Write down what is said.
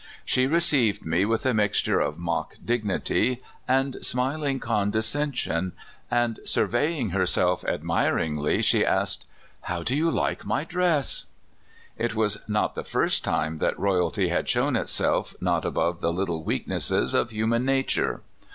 She received me with a mixture of 156 CALIFORNIA SKETCHES* mock dignity and smiling condescension, and, sur veying herself admiringly, she asked: ''How do you like my dress ?'' It was not the first time that royalty had shown itself not above the little weaknesses of human na ture.